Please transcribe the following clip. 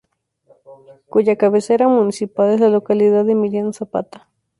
Cuya cabecera municipal es la localidad de Emiliano Zapata.